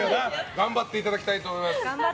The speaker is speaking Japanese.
頑張っていただきたいと思います。